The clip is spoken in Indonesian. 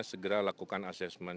segera lakukan assessment